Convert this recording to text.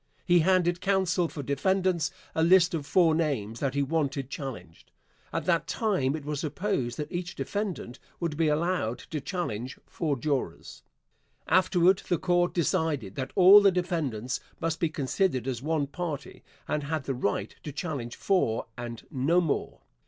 He handed counsel for defendants a list of four names that he wanted challenged. At that time it was supposed that each defendant would be allowed to challenge four jurors. Afterward the Court decided that all the defendants must be considered as one party and had the right to challenge four and no more.